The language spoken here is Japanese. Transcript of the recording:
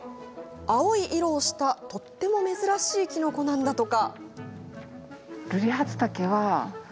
青い色をしたとっても珍しいキノコなんだとか。